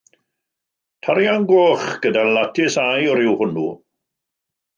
Tarian goch gyda latis aur yw hwnnw.